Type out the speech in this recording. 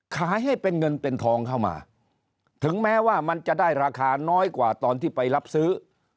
ขายให้เป็นเงินเป็นทองเข้ามาถึงแม้ว่ามันจะได้ราคาน้อยกว่าตอนที่ไปรับซื้อ